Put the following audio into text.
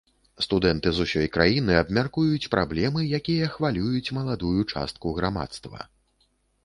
Студэнты з усёй краіны абмяркуюць праблемы, якія хвалююць маладую частку грамадства.